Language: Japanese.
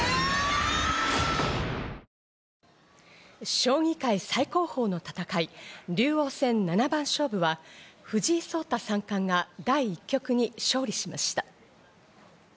将棋界最高峰の戦い、竜王戦七番勝負は藤井聡太三冠が第１局に勝利しました。